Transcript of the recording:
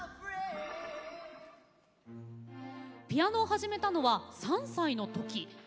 ピアノを始めたのは３歳の時。